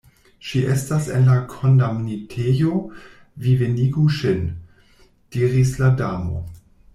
"Ŝi estas en la kondamnitejo, vi venigu ŝin," diris la Damo.